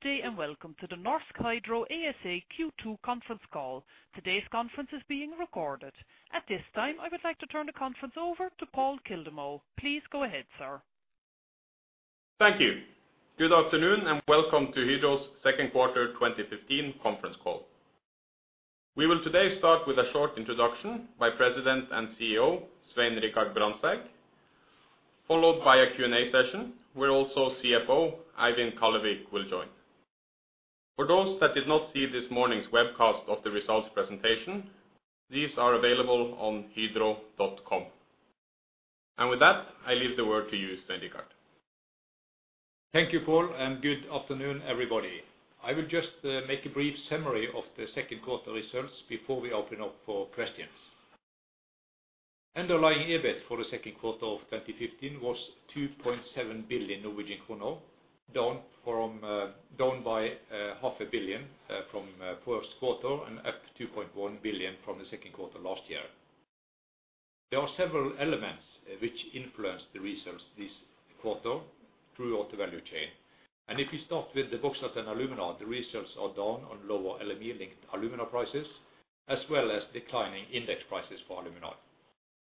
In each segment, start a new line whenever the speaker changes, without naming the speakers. Good day, and welcome to the Norsk Hydro ASA Q2 Conference Call. Today's conference is being recorded. At this time, I would like to turn the conference over to Pål Kildemo. Please go ahead, sir.
Thank you. Good afternoon, and welcome to Hydro's Second Quarter 2015 Conference Call. We will today start with a short introduction by President and CEO Svein Richard Brandtzæg, followed by a Q&A session where also CFO Eivind Kallevik will join. For those that did not see this morning's webcast of the results presentation, these are available on hydro.com. With that, I leave the word to you, Svein Richard.
Thank you, Pål, and good afternoon, everybody. I will just make a brief summary of the second quarter results before we open up for questions. Underlying EBIT for the second quarter of 2015 was 2.7 billion Norwegian kroner, down by half a billion from first quarter and up 2.1 billion from the second quarter last year. There are several elements which influenced the results this quarter throughout the value chain. If you start with the bauxite and alumina, the results are down on lower LME-linked alumina prices as well as declining index prices for alumina.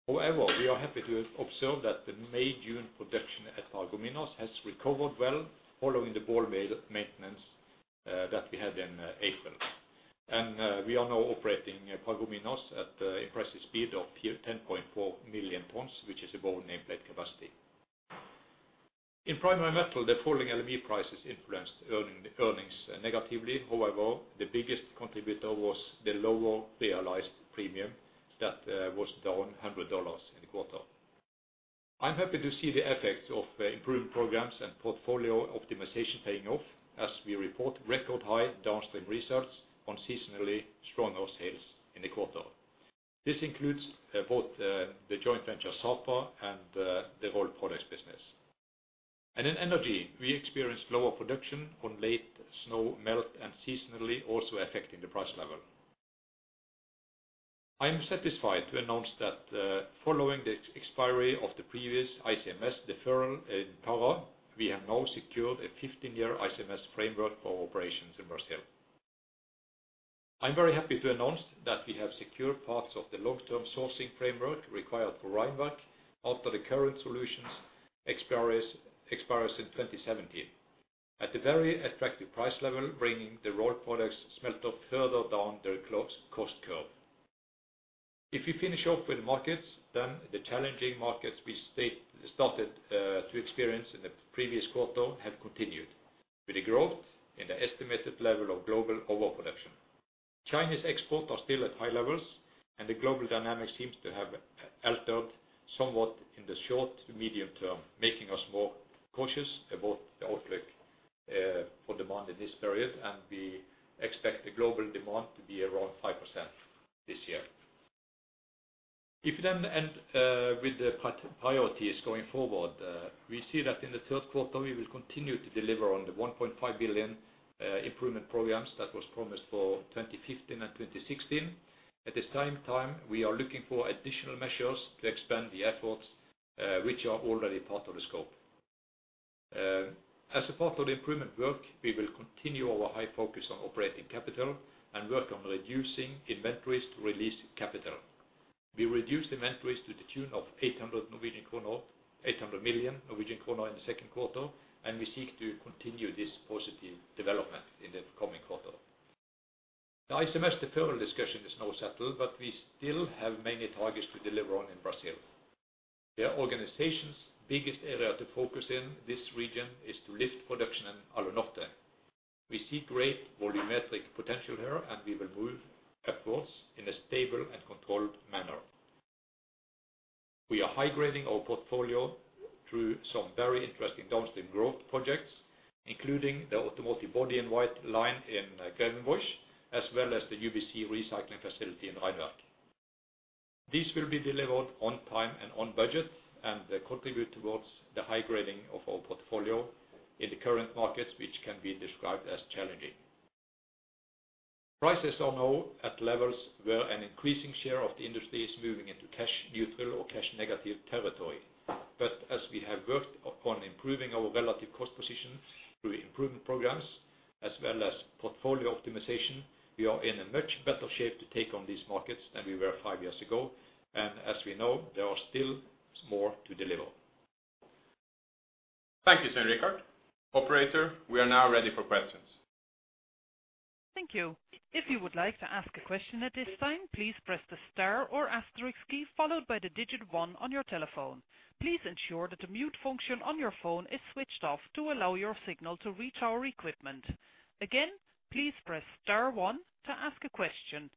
However, we are happy to have observed that the May, June production at Alunorte has recovered well following the boiler maintenance that we had in April. We are now operating Alunorte at impressive speed of 10.4 million tons, which is above nameplate capacity. In Primary Metal, the falling LME prices influenced earnings negatively. However, the biggest contributor was the lower realized premium that was down $100 in the quarter. I'm happy to see the effects of improvement programs and portfolio optimization paying off as we report record high downstream results on seasonally stronger sales in the quarter. This includes both the joint venture, Sapa, and the Rolled Products business. In Energy, we experienced lower production on late snow melt and seasonally also affecting the price level. I am satisfied to announce that following the expiry of the previous ICMS deferral in power, we have now secured a 15-year ICMS framework for operations in Brazil. I'm very happy to announce that we have secured parts of the long-term sourcing framework required for Rheinwerk after the current solutions expires in 2017. At a very attractive price level, bringing the Rolled Products smelter further down their cost curve. If you finish off with markets, then the challenging markets we started to experience in the previous quarter have continued with a growth in the estimated level of global overproduction. China's export are still at high levels, and the global dynamic seems to have altered somewhat in the short to medium term, making us more cautious about the outlook for demand in this period. We expect the global demand to be around 5% this year. If you then end with the priorities going forward, we see that in the third quarter, we will continue to deliver on the 1.5 billion improvement programs that was promised for 2015 and 2016. At the same time, we are looking for additional measures to expand the efforts, which are already part of the scope. As a part of the improvement work, we will continue our high focus on operating capital and work on reducing inventories to release capital. We reduced inventories to the tune of 800 million Norwegian kroner in the second quarter, and we seek to continue this positive development in the coming quarter. The ICMS deferral discussion is now settled, but we still have many targets to deliver on in Brazil. The organization's biggest area to focus in this region is to lift production in Alunorte. We see great volumetric potential here, and we will move upwards in a stable and controlled manner. We are high-grading our portfolio through some very interesting downstream growth projects, including the automotive body-in-white line in Grevenbroich, as well as the UBC recycling facility in Rheinwerk. These will be delivered on time and on budget and contribute towards the high-grading of our portfolio in the current markets, which can be described as challenging. Prices are now at levels where an increasing share of the industry is moving into cash neutral or cash negative territory. As we have worked upon improving our relative cost position through improvement programs as well as portfolio optimization, we are in a much better shape to take on these markets than we were five years ago. As we know, there are still more to deliver.
Thank you, Svein Richard. Operator, we are now ready for questions.
Thank you. If you would like to ask a question at this time, please press the star or asterisk key followed by the digit one on your telephone. Please ensure that the mute function on your phone is switched off to allow your signal to reach our equipment. Again, please press star one to ask a question.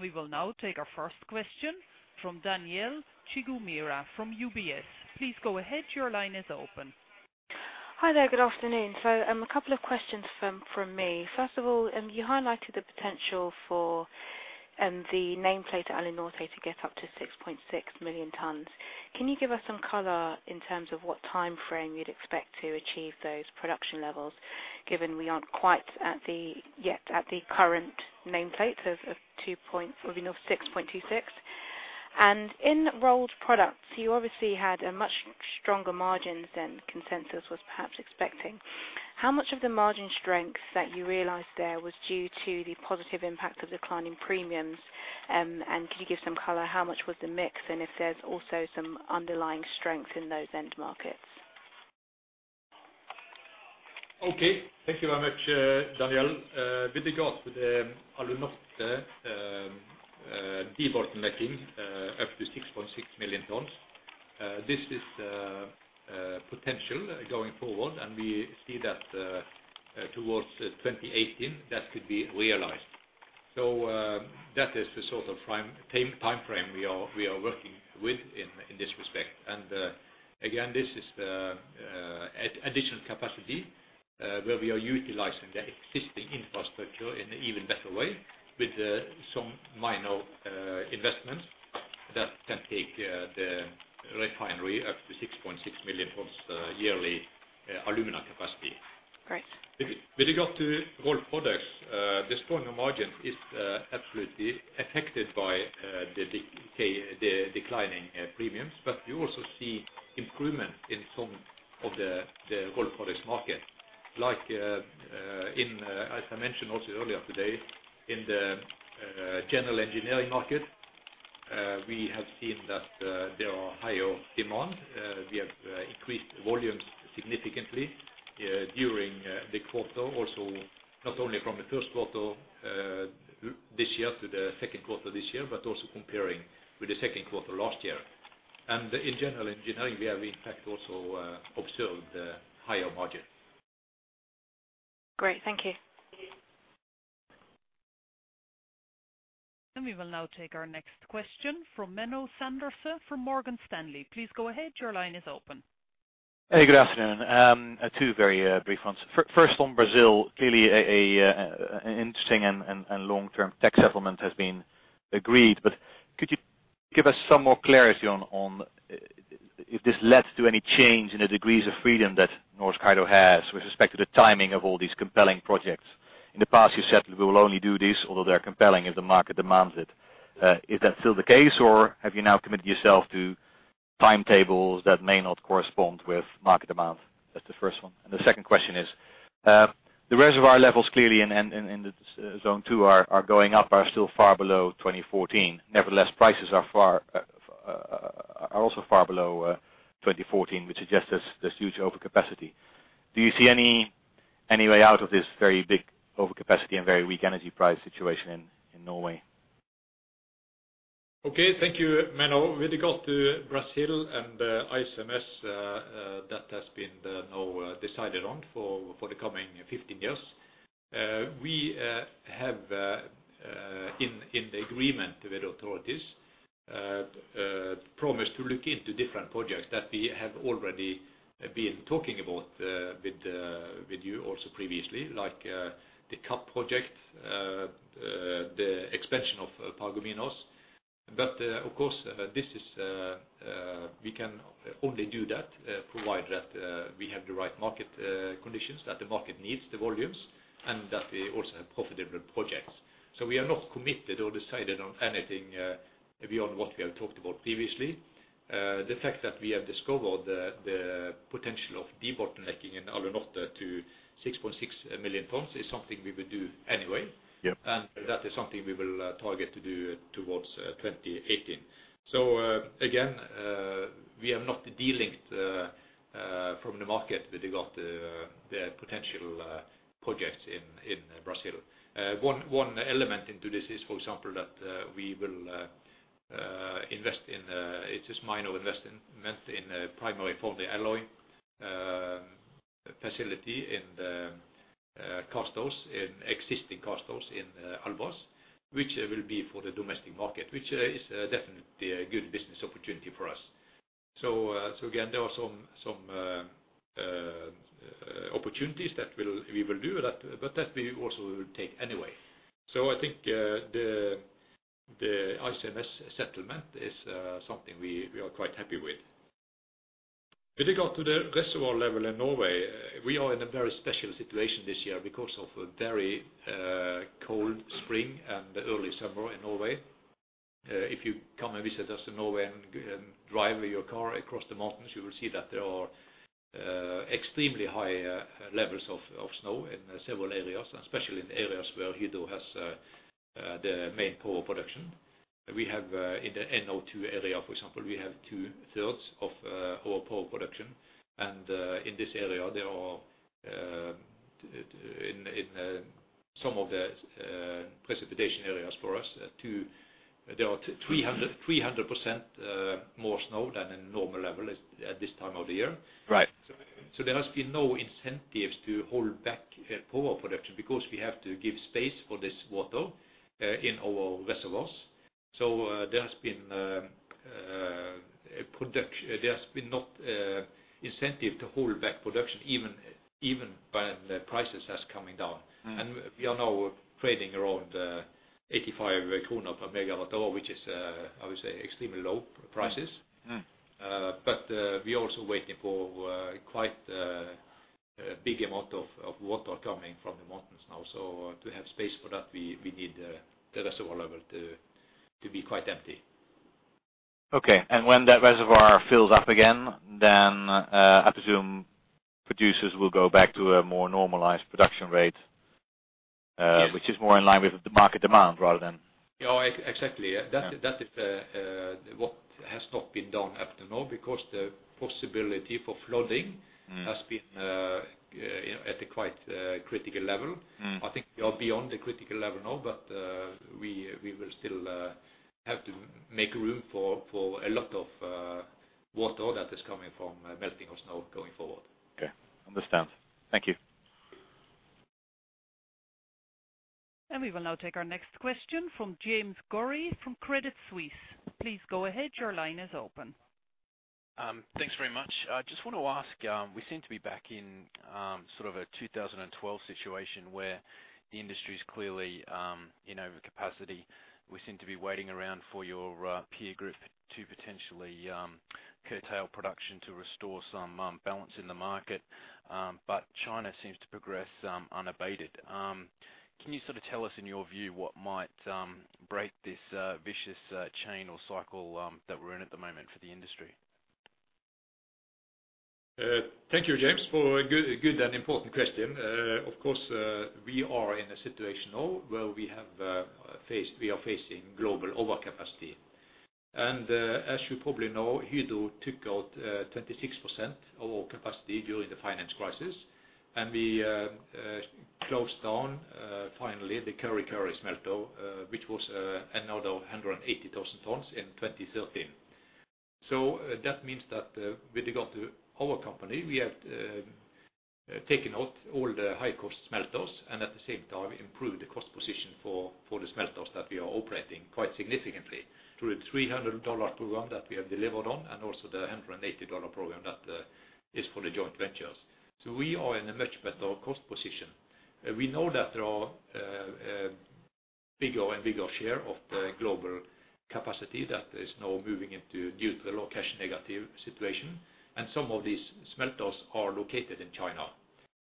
We will now take our first question from Danielle Chigumira from UBS. Please go ahead. Your line is open.
Hi there. Good afternoon. A couple of questions from me. First of all, you highlighted the potential for the nameplate Alunorte to get up to 6.6 million tons. Can you give us some color in terms of what timeframe you'd expect to achieve those production levels, given we aren't quite yet at the current nameplates of 6.26? In Rolled Products, you obviously had much stronger margins than consensus was perhaps expecting. How much of the margin strength that you realized there was due to the positive impact of declining premiums? Can you give some color how much was the mix, and if there's also some underlying strength in those end markets?
Okay, thank you very much, Danielle. With regard to the Alunorte debottlenecking up to 6.6 million tons, this is potential going forward, and we see that toward 2018 that could be realized. That is the sort of timeframe we are working with in this respect. Again, this is additional capacity, where we are utilizing the existing infrastructure in an even better way with some minor investments that can take the refinery up to 6.6 million tons yearly alumina capacity.
Great.
With regard to Rolled Products, the stronger margin is absolutely affected by the declining premiums. We also see improvement in some of the Rolled Products market, like in, as I mentioned also earlier today, in the general engineering market, we have seen that there are higher demand. We have increased volumes significantly during the quarter also, not only from the first quarter this year to the second quarter this year, but also comparing with the second quarter last year. In general engineering, we have in fact also observed higher margin.
Great. Thank you.
We will now take our next question from Menno Sanderse from Morgan Stanley. Please go ahead. Your line is open.
Hey, good afternoon. Two very brief ones. First, on Brazil, clearly an interesting and long-term tax settlement has been agreed, but could you give us some more clarity on if this led to any change in the degrees of freedom that Norsk Hydro has with respect to the timing of all these compelling projects? In the past, you said we will only do this, although they are compelling, if the market demands it. Is that still the case, or have you now committed yourself to timetables that may not correspond with market demand? That's the first one. The second question is, the reservoir levels clearly in the zone two are going up, are still far below 2014. Nevertheless, prices are also far below 2014, which suggests there's huge overcapacity. Do you see any way out of this very big overcapacity and very weak energy price situation in Norway?
Okay. Thank you, Menno. With regard to Brazil and ICMS, that has been now decided on for the coming 15 years. We have in the agreement with the authorities promised to look into different projects that we have already been talking about with you also previously, like the CAP project, the expansion of Paragominas. Of course, this is we can only do that provided that we have the right market conditions, that the market needs the volumes, and that we also have profitable projects. We are not committed or decided on anything beyond what we have talked about previously. The fact that we have discovered the potential of debottlenecking in Alunorte to 6.6 million tons is something we will do anyway.
Yeah.
That is something we will target to do towards 2018. Again, we have not delinked from the market with regard to the potential projects in Brazil. One element in this is, for example, that we will invest in it. It's a minor investment in primarily for the alloy facility in the existing casthouse in Albras, which will be for the domestic market, which is definitely a good business opportunity for us. Again, there are some opportunities that we will do that, but that we also will take anyway. I think the ICMS settlement is something we are quite happy with. With regard to the reservoir level in Norway, we are in a very special situation this year because of a very cold spring and early summer in Norway. If you come and visit us in Norway and drive your car across the mountains, you will see that there are extremely high levels of snow in several areas, especially in areas where Hydro has the main power production. We have in the NO2 area, for example, we have two-thirds of our power production. In this area, there are in some of the precipitation areas for us, there are 300% more snow than in normal level at this time of the year.
Right.
There has been no incentives to hold back power production because we have to give space for this water in our reservoirs. There has been not incentive to hold back production even when the prices has coming down.
Mm-hmm.
We are now trading around 85 kroner per MWh, which is, I would say, extremely low prices.
Mm-hmm.
We're also waiting for quite a big amount of water coming from the mountains now. To have space for that, we need the reservoir level to be quite empty.
Okay. When that reservoir fills up again, then, I presume producers will go back to a more normalized production rate.
Yes.
which is more in line with the market demand rather than-
Yeah. Exactly. Yeah.
Yeah.
That is what has not been done up to now because the possibility for flooding.
Mm.
has been at a quite critical level.
Mm.
I think we are beyond the critical level now, but we will still have to make room for a lot of water that is coming from melting of snow going forward.
Okay. Understand. Thank you.
We will now take our next question from James Gurry from Credit Suisse. Please go ahead. Your line is open.
Thanks very much. I just want to ask, we seem to be back in, sort of a 2012 situation where the industry is clearly in overcapacity. We seem to be waiting around for your peer group to potentially curtail production to restore some balance in the market. But China seems to progress unabated. Can you sort of tell us, in your view, what might break this vicious chain or cycle that we're in at the moment for the industry?
Thank you, James, for a good and important question. Of course, we are in a situation now where we have, we are facing global overcapacity. As you probably know, Hydro took out 26% of our capacity during the financial crisis, and we closed down finally the Kurri Kurri smelter, which was another 180,000 tons in 2013. That means that, with regard to our company, we have taken out all the high-cost smelters and at the same time improved the cost position for the smelters that we are operating quite significantly through the $300 program that we have delivered on and also the $180 program that is for the joint ventures. We are in a much better cost position. We know that there are bigger and bigger share of the global capacity that is now moving into, due to the negative location situation, and some of these smelters are located in China.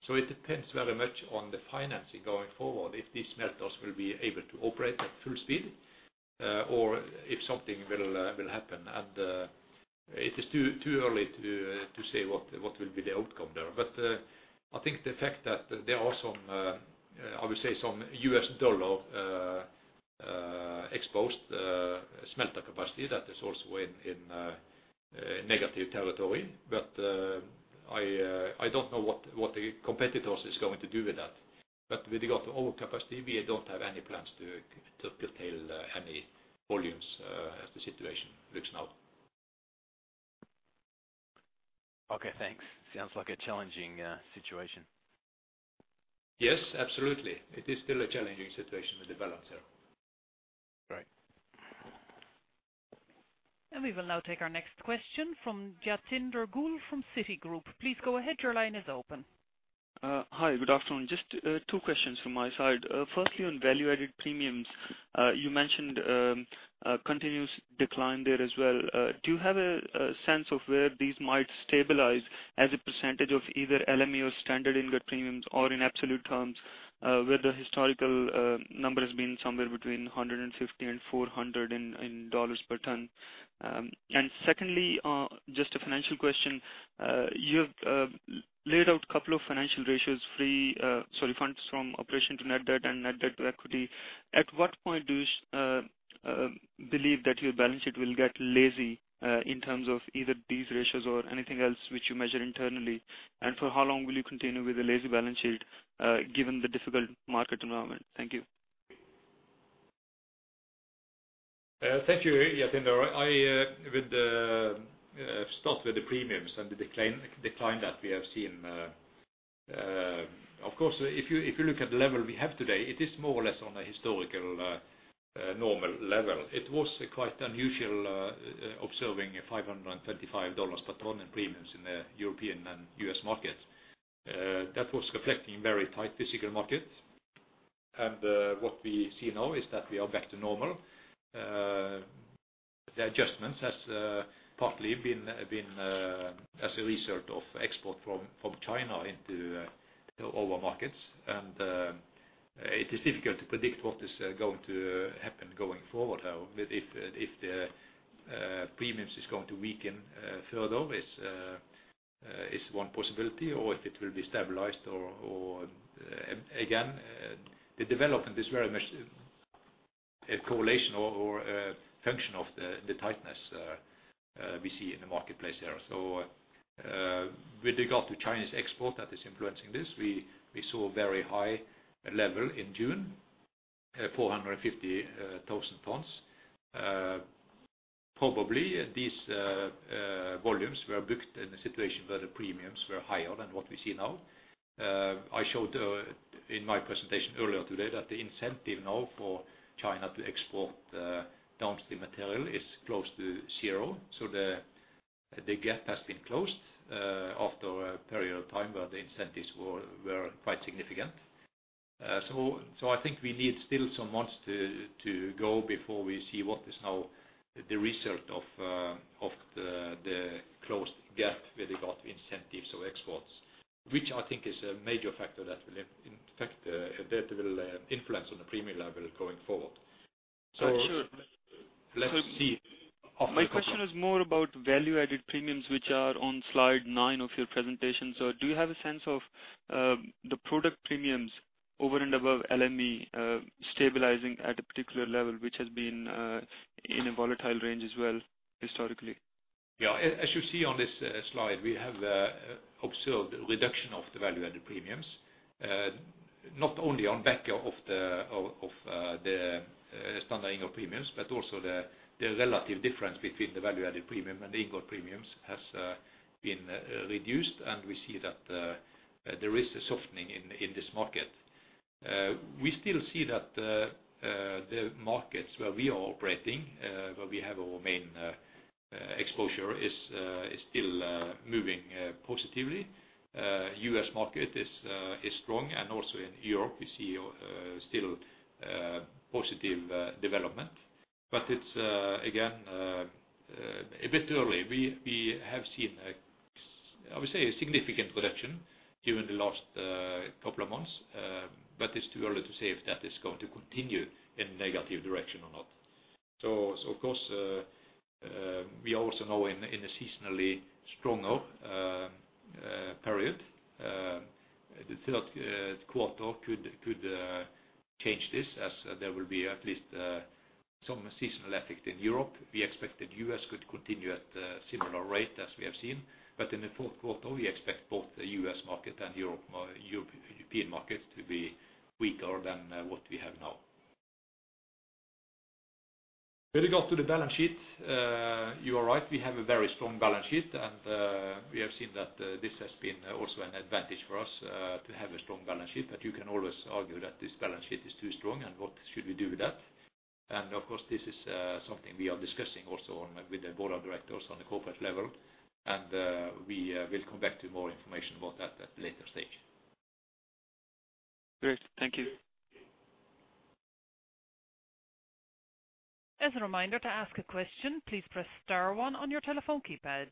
It depends very much on the financing going forward if these smelters will be able to operate at full speed or if something will happen. It is too early to say what will be the outcome there. I think the fact that there are some, I would say, some U.S. dollar exposed smelter capacity that is also in negative territory. I don't know what the competitors is going to do with that. With regard to overcapacity, we don't have any plans to curtail any volumes as the situation looks now.
Okay, thanks. Sounds like a challenging situation.
Yes, absolutely. It is still a challenging situation to develop there.
Right.
We will now take our next question from Jatinder Goel from Citigroup. Please go ahead. Your line is open.
Hi, good afternoon. Just two questions from my side. Firstly, on value-added premiums, you mentioned a continuous decline there as well. Do you have a sense of where these might stabilize as a percentage of either LME or standard ingot premiums or in absolute terms, where the historical number has been somewhere between $150-$400 per ton? Secondly, just a financial question. You've laid out a couple of financial ratios, funds from operations to net debt and net debt to equity. At what point do you believe that your balance sheet will get healthy, in terms of either these ratios or anything else which you measure internally? For how long will you continue with the lazy balance sheet, given the difficult market environment? Thank you.
Thank you, Jatinder. I start with the premiums and the decline that we have seen. Of course, if you look at the level we have today, it is more or less on a historical normal level. It was quite unusual observing $525 per ton in premiums in the European and U.S. market. That was reflecting very tight physical market. What we see now is that we are back to normal. The adjustments has partly been as a result of export from China into our markets. It is difficult to predict what is going to happen going forward, if the premiums is going to weaken further is one possibility or if it will be stabilized or again. The development is very much a correlation or a function of the tightness we see in the marketplace there. With regard to Chinese export that is influencing this, we saw a very high level in June, 450,000 tons. Probably these volumes were booked in a situation where the premiums were higher than what we see now. I showed in my presentation earlier today that the incentive now for China to export downstream material is close to zero. The gap has been closed after a period of time where the incentives were quite significant. I think we need still some months to go before we see what is now the result of the closed gap with regard to incentives or exports, which I think is a major factor that will in fact influence on the premium level going forward.
So it should-
Let's see.
My question is more about value-added premiums, which are on Slide nine of your presentation. Do you have a sense of the product premiums over and above LME stabilizing at a particular level which has been in a volatile range as well historically?
Yeah. As you see on this slide, we have observed reduction of the value-added premiums, not only on the back of the standard ingot premiums, but also the relative difference between the value-added premium and the ingot premiums has been reduced. We see that there is a softening in this market. We still see that the markets where we are operating, where we have our main exposure is still moving positively. U.S. market is strong. Also in Europe, we see still positive development. It's again a bit early. We have seen, I would say, a significant reduction during the last couple of months. It's too early to say if that is going to continue in a negative direction or not. Of course, we are also now in a seasonally stronger period. The third quarter could change this as there will be at least some seasonal effect in Europe. We expect that U.S. could continue at a similar rate as we have seen. In the fourth quarter, we expect both the U.S. market and the European market to be weaker than what we have now. With regard to the balance sheet, you are right, we have a very strong balance sheet. We have seen that this has been also an advantage for us to have a strong balance sheet. You can always argue that this balance sheet is too strong and what should we do with that. Of course, this is something we are discussing also with the board of directors on the corporate level. We will come back to more information about that at a later stage.
Great. Thank you.
As a reminder, to ask a question, please press star one on your telephone keypad.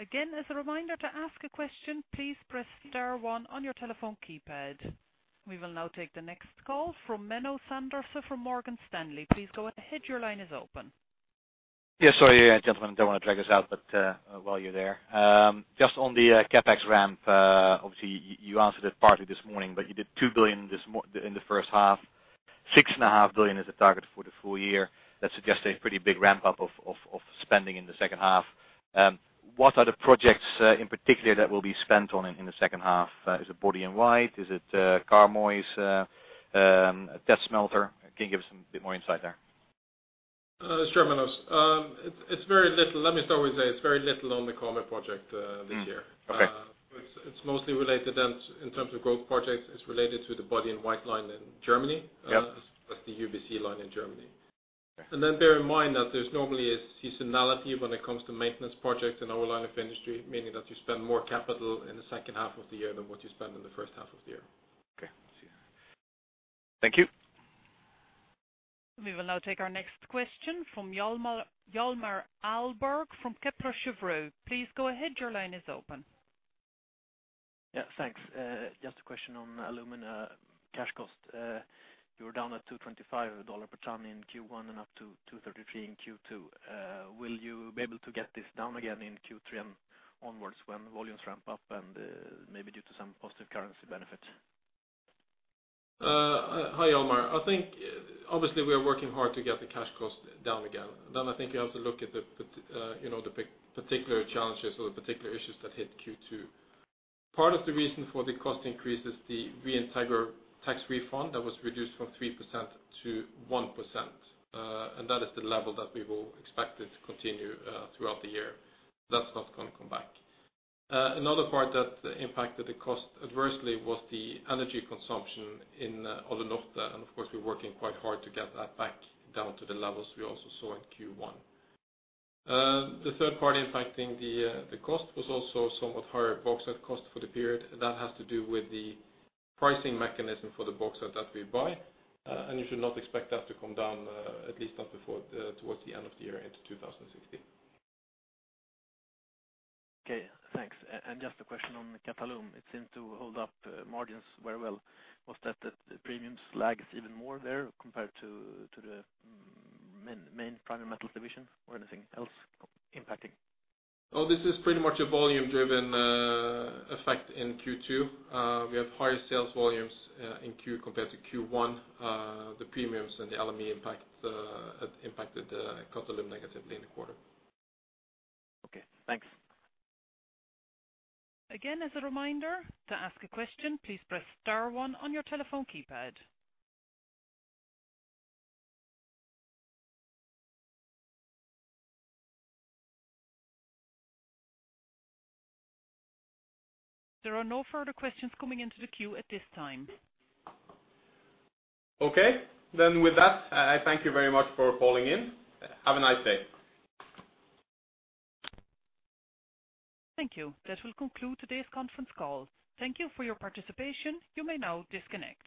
Again, as a reminder, to ask a question, please press star one on your telephone keypad. We will now take the next call from Menno Sanderse from Morgan Stanley. Please go ahead. Your line is open.
Yeah, sorry, gentlemen. Don't want to drag this out, but while you're there. Just on the CapEx ramp, obviously you answered it partly this morning, but you did 2 billion in the first half. 6.5 billion is the target for the full year. That suggests a pretty big ramp up of spending in the second half. What are the projects in particular that will be spent on in the second half? Is it body-in-white? Is it Karmøy's test smelter? Can you give us a bit more insight there?
Sure, Menno. It's very little. Let me start with that. It's very little on the Karmøy project, this year.
Mm-hmm. Okay.
It's mostly related. In terms of growth projects, it's related to the body-in-white line in Germany.
Yeah.
That's the UBC line in Germany.
Okay.
Bear in mind that there's normally a seasonality when it comes to maintenance projects in our line of industry, meaning that you spend more capital in the second half of the year than what you spend in the first half of the year.
Okay. Thank you.
We will now take our next question from Hjalmar Ahlberg from Kepler Cheuvreux. Please go ahead. Your line is open.
Yeah, thanks. Just a question on alumina cash cost. You were down at $225 per ton in Q1 and up to $233 in Q2. Will you be able to get this down again in Q3 and onwards when volumes ramp up and maybe due to some positive currency benefit?
Hi, Hjalmar. I think obviously we are working hard to get the cash costs down again. I think you have to look at the, you know, the particular challenges or the particular issues that hit Q2. Part of the reason for the cost increase is the Reintegra tax refund that was reduced from 3% to 1%. That is the level that we will expect it to continue throughout the year. That's not gonna come back. Another part that impacted the cost adversely was the energy consumption in Alunorte. Of course, we're working quite hard to get that back down to the levels we also saw in Q1. The third part impacting the cost was also somewhat higher bauxite cost for the period. That has to do with the pricing mechanism for the bauxite that we buy. You should not expect that to come down, at least not before, towards the end of the year into 2016.
Okay, thanks. Just a question on Qatalum. It seemed to hold up margins very well. Was that the premiums lag is even more there compared to the main Primary Metal division or anything else impacting?
Oh, this is pretty much a volume-driven effect in Q2. We have higher sales volumes in Q compared to Q1. The premiums and the LME impact impacted Qatalum negatively in the quarter.
Okay, thanks.
Again, as a reminder, to ask a question, please press star one on your telephone keypad. There are no further questions coming into the queue at this time.
Okay, with that, I thank you very much for calling in. Have a nice day.
Thank you. That will conclude today's conference call. Thank you for your participation. You may now disconnect.